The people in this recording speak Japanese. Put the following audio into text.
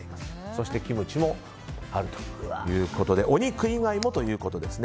そしてキムチもあるということでお肉以外もということです。